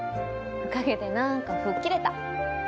おかげでなんか吹っ切れた。